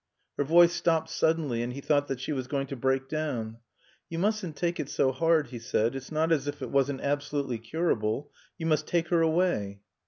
Her voice stopped suddenly, and he thought that she was going to break down. "You mustn't take it so hard," he said. "It's not as if it wasn't absolutely curable. You must take her away."